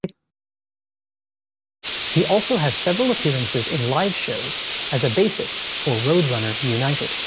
He also has several appearances in live shows as a bassist for Roadrunner United.